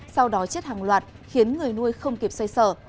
sau đó chết hàng loạt khiến người nuôi không kịp xoay sở